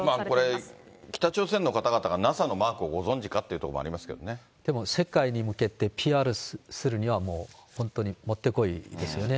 これ、北朝鮮の方々がＮＡＳＡのマークをご存じかっていうところもありでも世界に向けてＰＲするには、もう本当にもってこいですよね。